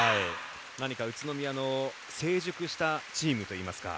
何か宇都宮の成熟したチームといいますか。